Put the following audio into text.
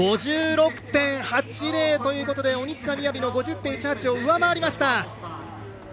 得点は５６．８０ということで鬼塚雅の５０．１８を上回りました。